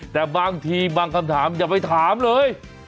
แต่บางทีบางคำถามอย่าไปถามเลย